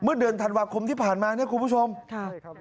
เดือนธันวาคมที่ผ่านมาเนี่ยคุณผู้ชมค่ะ